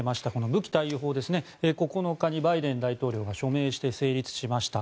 武器貸与法ですね９日にバイデン大統領が署名して成立しました。